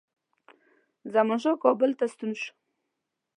زمانشاه کابل ته ستون شو.